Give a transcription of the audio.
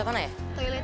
pokoknya pake gibtman